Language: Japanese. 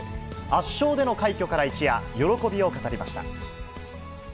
圧勝での快挙から一夜、喜びを語りました。